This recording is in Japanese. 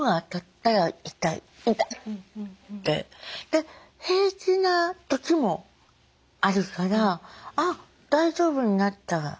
で平気なときもあるからあっ大丈夫になった